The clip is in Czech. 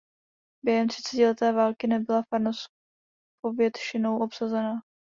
Během třicetileté války nebyla farnost povětšinou obsazená.